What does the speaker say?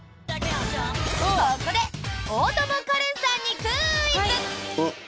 ここで大友花恋さんにクイズ！